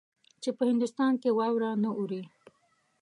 چې په هندوستان کې واوره نه اوري.